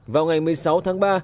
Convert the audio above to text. vào ngày một mươi sáu tháng ba